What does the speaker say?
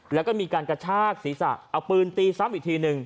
แล้วก็มีการกระชากศีรษะเอาปืนตีซ้ำอีกทีหนึ่ง